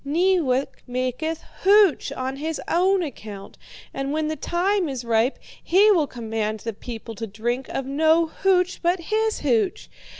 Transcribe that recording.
Neewak maketh hooch on his own account, and when the time is ripe, he will command the people to drink of no hooch but his hooch.